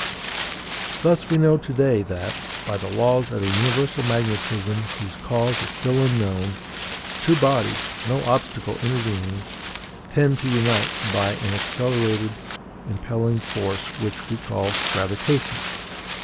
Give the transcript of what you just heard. Thus, we know to day that, by the laws of a universal magnetism whose cause is still unknown, two bodies (no obstacle intervening) tend to unite by an accelerated impelling force which we call GRAVITATION.